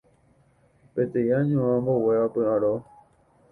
Peteĩ añuã omboguéva py'aro